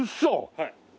はい。